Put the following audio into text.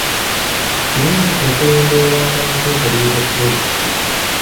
Kirungi okulondoolanga n'okwekaliriza pulojekiti.